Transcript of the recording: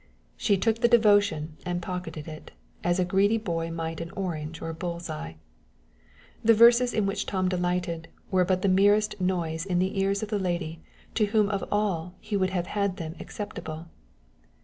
She took the devotion and pocketed it, as a greedy boy might an orange or bull's eye. The verses in which Tom delighted were but the merest noise in the ears of the lady to whom of all he would have had them acceptable.